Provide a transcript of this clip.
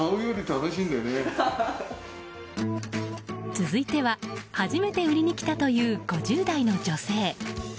続いては初めて売りに来たという５０代の女性。